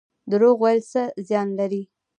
دروغ ویل څه زیان لري؟